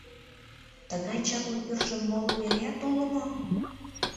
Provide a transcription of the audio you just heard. — Тыгай чапле пӧртшӧ моло вереат уло мо?